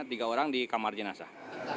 tiga orang di kamar jenazah